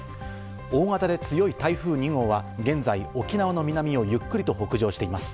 大型で強い台風２号は現在、沖縄の南をゆっくりと北上しています。